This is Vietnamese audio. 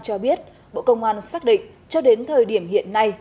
cho biết bộ công an xác định cho đến thời điểm hiện nay